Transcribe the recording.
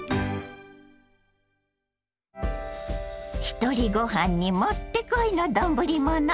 ひとりごはんにもってこいの丼物。